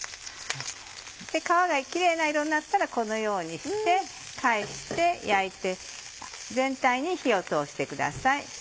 皮がキレイな色になったらこのようにして返して焼いて全体に火を通してください。